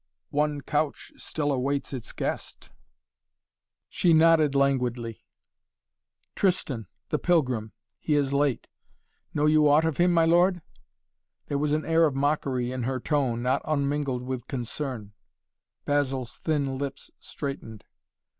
"One couch still awaits its guest." She nodded languidly. "Tristan the pilgrim. He is late. Know you aught of him, my lord?" There was an air of mockery in her tone, not unmingled with concern. Basil's thin lips straightened.